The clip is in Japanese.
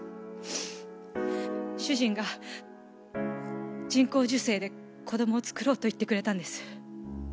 主人が人工授精で子供を作ろうと言ってくれたんです。